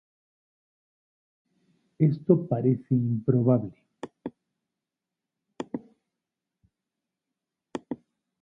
Esto parece improbable.